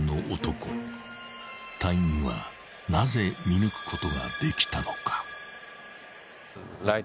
［隊員はなぜ見抜くことができたのか］